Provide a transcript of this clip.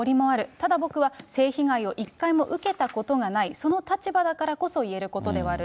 ただ僕は性被害を一回も受けたことがない、その立場だからこそ言えることではある。